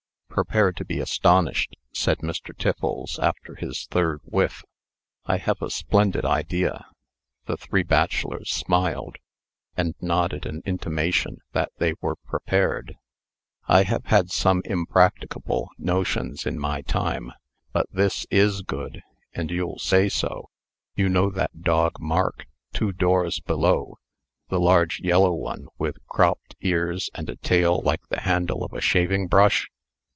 "Prepare to be astonished," said Mr. Tiffles, after his third whiff. "I have a splendid idea." The three bachelors smiled, and nodded an intimation that they were prepared, "I have had some impracticable notions in my time; but this is good, and you'll say so. You know that dog, Mark, two doors below the large yellow one, with cropped ears, and a tail like the handle of a shaving brush?"